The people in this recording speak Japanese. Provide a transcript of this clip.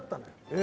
え！